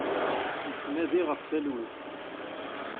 Nettnadi ɣef talwit.